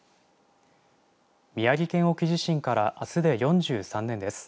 宮城県沖地震からあすで４３年です。